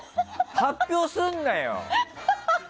発表すんなよ！